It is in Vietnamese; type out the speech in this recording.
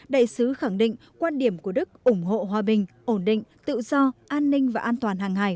đại sứ khẳng định quan điểm của đức ủng hộ hòa bình ổn định tự do an ninh và an toàn hàng hài